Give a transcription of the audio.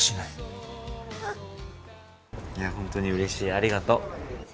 いや、ホントにうれしい、ありがと。